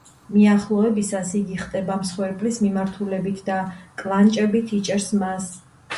მიახლოებისას იგი ხტება მსხვერპლის მიმართულებით და „კლანჭებით“ იჭერს მას.